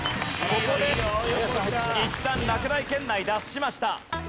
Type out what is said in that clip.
ここでいったん落第圏内脱しました。